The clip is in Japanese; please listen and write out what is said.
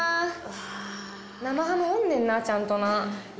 生ハムおんねんなちゃんとな。